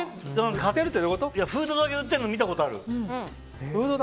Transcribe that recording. フードだけ売ってるの見たことある。